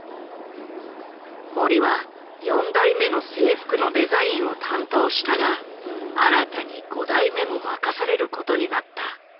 森は４代目の制服のデザインを担当したが新たに５代目も任されることになった。